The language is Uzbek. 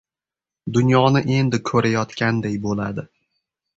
Dunyoni endi ko‘rayotganday bo‘ladi.